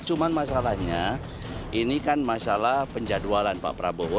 cuma masalahnya ini kan masalah penjadwalan pak prabowo